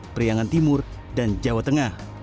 priangan timur dan jawa tengah